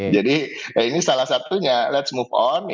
jadi ini salah satunya let s move on